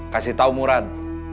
kasih tau murad